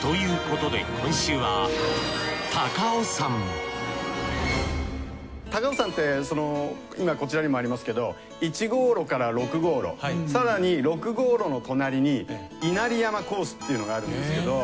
ということで今週は高尾山って今こちらにもありますけど１号路から６号路更に６号路の隣に稲荷山コースっていうのがあるんですけど。